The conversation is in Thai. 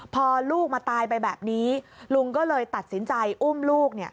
พอลูกมาตายไปแบบนี้ลุงก็เลยตัดสินใจอุ้มลูก